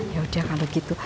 yaudah kalau gitu